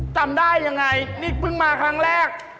จำได้ยังไงนี่เพิ่งมาครั้งแรก